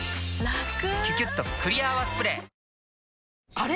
あれ？